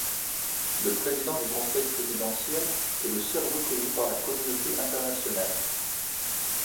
Le président du Conseil présidentiel est le seul reconnu par la communauté internationale.